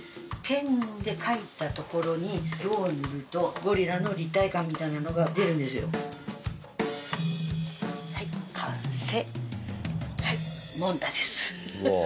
ペンで描いたところに色を塗るとゴリラの立体感みたいなのが出るんですよ。